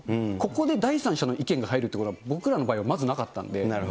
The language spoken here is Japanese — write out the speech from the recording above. ここで第三者の意見が入るっていうことは、僕らの場合はまずなかったんで。